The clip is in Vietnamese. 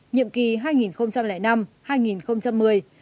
nhiệm kỳ hai nghìn năm hai nghìn một mươi